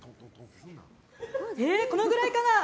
このくらいかな？